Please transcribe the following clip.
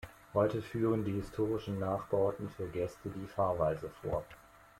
Heute führen die historischen Nachbauten für Gäste die Fahrweise vor.